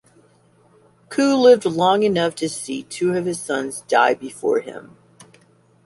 Koo lived long enough to see two of his sons die before him.